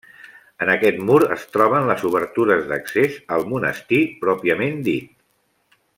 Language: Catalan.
En aquest mur es troben les obertures d'accés al monestir pròpiament dit.